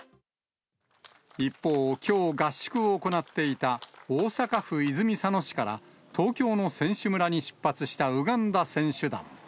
一方、きょう合宿を行っていた大阪府泉佐野市から、東京の選手村に出発したウガンダ選手団。